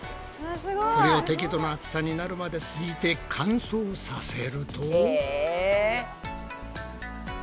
それを適度な厚さになるまですいて乾燥させると。